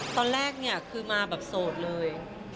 ตอนแรกคือมาแบบโสดเลย